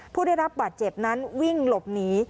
ผู้ได้รับบาดเจ็บนั้นวิ่งหลบหนี